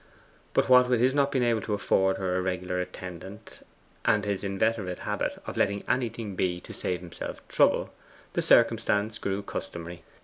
But what with his not being able to afford her a regular attendant, and his inveterate habit of letting anything be to save himself trouble, the circumstance grew customary.